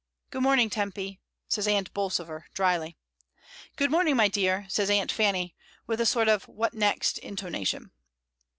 "Good morning, Tempy," says Aunt Bolsover, dryly. "Good morning, my dear," says Aunt Fanny, with a sort of "what next?" intonation.